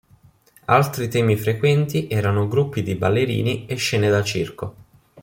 Altri temi frequenti erano gruppi di ballerini e scene da circo.